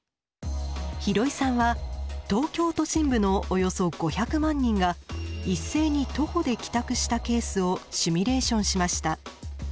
廣井さんは東京都心部のおよそ５００万人が一斉に徒歩で帰宅したケースをシミュレーションしました。